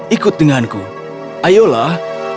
ikut denganku ayolah